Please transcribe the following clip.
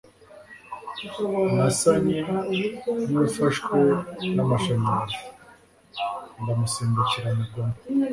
Nasanye nufashwe namashanyarazi ndamusimbukira mugwamo